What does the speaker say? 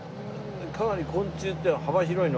かなり昆虫ってのは幅広いの？